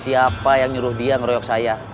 siapa yang nyuruh dia ngeroyok saya